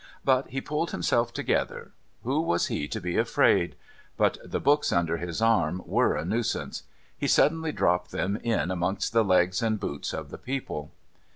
But he pulled himself together. Who was he to be afraid? But the books under his arm were a nuisance. He suddenly dropped them in amongst the legs and boots of the people.